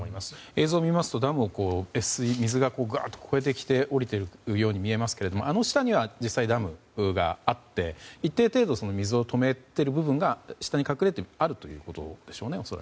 映像を見ますとダムを水が越水して降りているように見えますがあの下には実際ダムがあって一定程度水を止めている部分が下に隠れてあるということでしょうね。